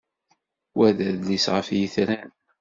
Wa d adlis ɣef yetran.